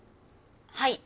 はい。